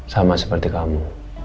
sama seperti kamu